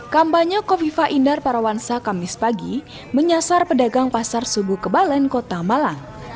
kampanye kofifa indar parawansa kamis pagi menyasar pedagang pasar subuh kebalen kota malang